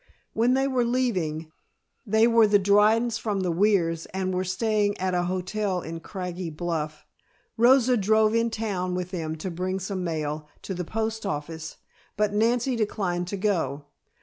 When they were leaving (they were the Drydens from the Weirs and were staying at a hotel in Craggy Bluff) Rosa drove in town with them to bring some mail to the post office, but Nancy declined to go.